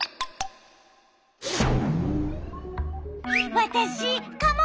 わたしカモカモ！